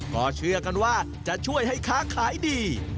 ก็เชื่อกันว่าจะช่วยให้ค้าขายดี